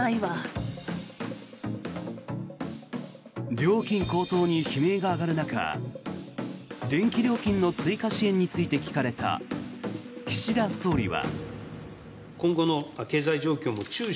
料金高騰に悲鳴が上がる中電気料金の追加支援について聞かれた岸田総理は。